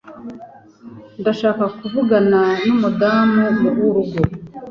Ndashaka kuvugana numudamu wurugo.